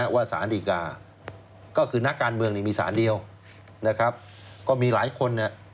ว่าสารดีกาก็คือนักการเมืองมีสารเดียวนะครับก็มีหลายคน